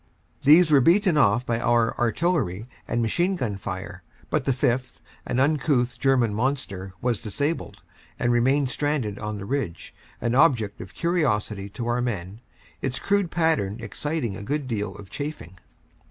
These were beaten off by our artillery and machine gun fire, but the fifth, an uncouth German monster, was disabled, and remained stranded on the ridge, an object of curiosity to our men, its crude pattern exciting a good deal of chaffing.